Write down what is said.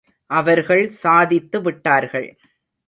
அவர்கள் சாதித்து விட்டார்கள்.